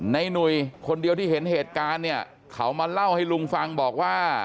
หนุ่ยคนเดียวที่เห็นเหตุการณ์เนี่ยเขามาเล่าให้ลุงฟังบอกว่า